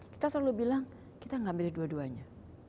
kita selalu bilang kita gak milih dua duanya